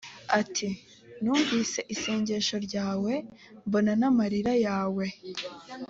ati numvise isengesho ryawe j mbona n amarira yawe